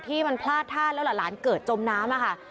ที่มันพลาดท่าแล้วหลานเกิดจมน้ำค่ะ